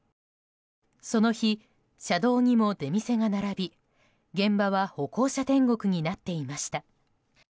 その日、車道にも出店が並び現場は歩行者天国になっていました。